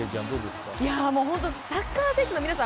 サッカー選手の皆さん